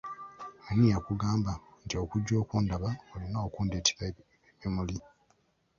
Ani yakugamba nti okujja okundaba olina kundetera bimuli?